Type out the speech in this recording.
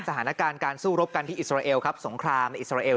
สถานการณ์การสู้รบกันที่อิสราเอลครับสงครามในอิสราเอล